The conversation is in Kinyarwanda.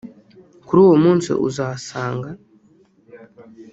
Kuri uwo munsi usanga twese abo dukunda twabise ba